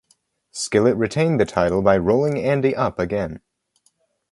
Skillet retained the title by rolling Andy up again.